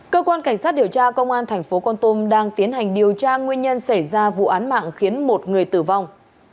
cơ quan cảnh sát điều tra công an tp hcm đang tiến hành điều tra nguyên nhân xảy ra vụ án mạng khiến một người tử vong